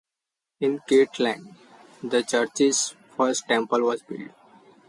In Kirtland, the church's first temple was built.